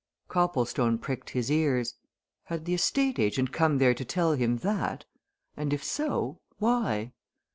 Copplestone pricked his ears. Had the estate agent come there to tell him that? And if so, why?